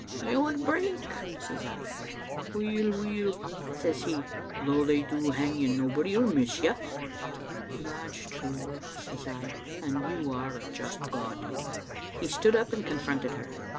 'They would break,' says I. 'Weel, weel,' says He, 'though they do hang you, nobody '11 miss you.' 'That's true,' says I, 'and You are a just God. '" He stood up and confronted her.